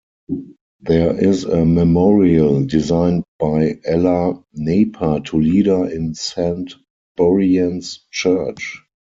There is a memorial, designed by Ella Naper to Leader in Saint Buryan's Church.